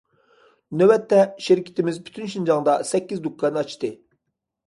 نۆۋەتتە، شىركىتىمىز پۈتۈن شىنجاڭدا سەككىز دۇكان ئاچتى.